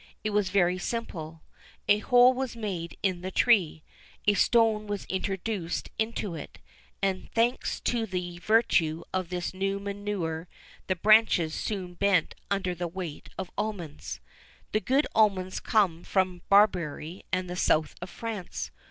It was very simple: A hole was made in the tree, a stone was introduced into it,[XIV 8] and, thanks to the virtue of this new manure, the branches soon bent under the weight of almonds. The good almonds come from Barbary and the south of France.